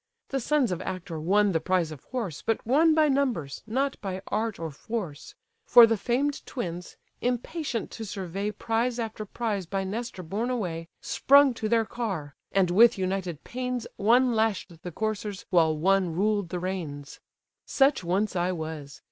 The sons of Actor won the prize of horse, But won by numbers, not by art or force: For the famed twins, impatient to survey Prize after prize by Nestor borne away, Sprung to their car; and with united pains One lash'd the coursers, while one ruled the reins. Such once I was!